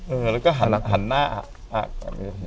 เออแล้วก็หันหน้าครับ